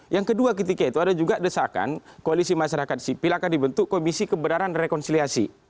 yang kedua ketika itu ada juga desakan koalisi masyarakat sipil akan dibentuk komisi kebenaran rekonsiliasi